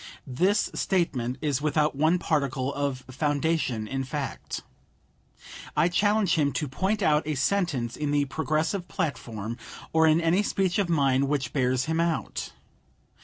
This statement is without one particle of foundation in fact. I challenge him to point out a sentence in the Progressive platform or in any speech of mine which bears him out.